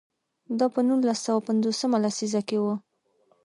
دا په نولس سوه پنځوس مه لسیزه کې و.